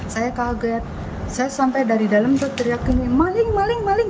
saya kaget saya sampai dari dalam teriak ini maling maling maling